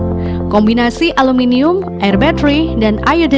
untuk bahan bakar baru ini akan lebih ramah lingkungan